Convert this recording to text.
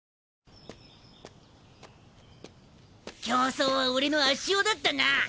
競走は俺の圧勝だったな。